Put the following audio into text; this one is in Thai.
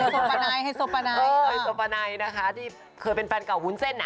โซปาไนโซปาไนโซปาไนนะคะที่เคยเป็นแฟนเก่าวุ้นเส้นอ่ะ